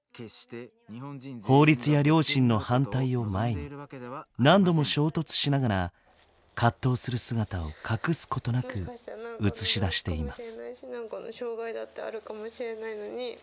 法律や両親の反対を前に何度も衝突しながら葛藤する姿を隠すことなく映し出しています。